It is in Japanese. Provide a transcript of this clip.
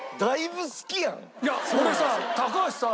いや俺さ高橋さ